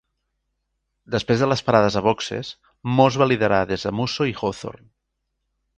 Després de les parades a boxes, Moss va liderar des de Musso i Hawthorn.